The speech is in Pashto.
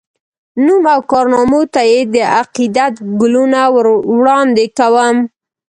نوم او کارنامو ته یې د عقیدت ګلونه وړاندي کوم